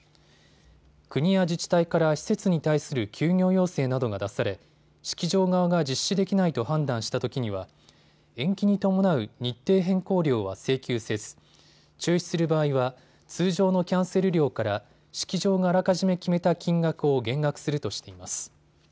国や自治体から施設に対する休業要請などが出され式場側が実施できないと判断したときには延期に伴う日程変更料は請求せず中止する場合は通常のキャンセル料から式場があらかじめ決めた金額を減額するとしています。